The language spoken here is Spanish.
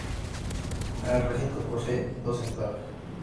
El recinto posee dos entradas.